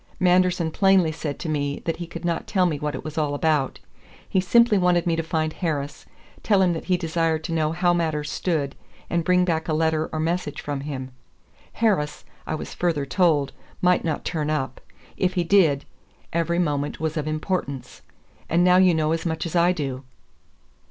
Manderson plainly said to me that he could not tell me what it was all about. He simply wanted me to find Harris, tell him that he desired to know how matters stood, and bring back a letter or message from him. Harris, I was further told, might not turn up. If he did, 'every moment was of importance.' And now you know as much as I do."